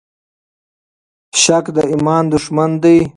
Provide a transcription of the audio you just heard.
شک د ایمان دښمن دی.